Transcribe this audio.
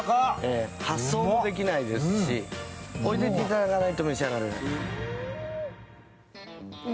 発送もできないですし、おいでいかないと召し上がれない。